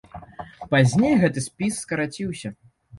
Пазней гэты спіс скараціўся.